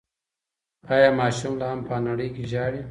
ایا ماشوم لا هم په انړۍ کې ژاړي؟